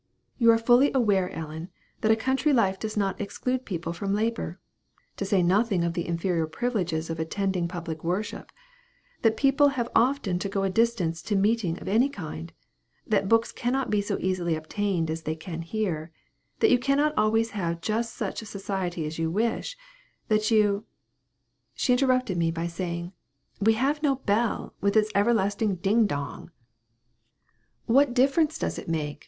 "You are fully aware, Ellen, that a country life does not exclude people from labor to say nothing of the inferior privileges of attending public worship that people have often to go a distance to meeting of any kind that books cannot be so easily obtained as they can here that you cannot always have just such society as you wish that you" She interrupted me, by saying, "We have no bell, with its everlasting ding dong." "What difference does it make?"